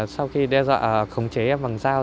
sau khi đe dọa khống chế em bằng dao